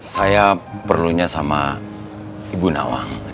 saya perlunya sama ibu nawa